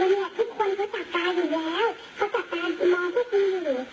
อย่างเงียบที่คนเขาจัดการอยู่แล้วเขาจัดการที่มองพี่คุณอยู่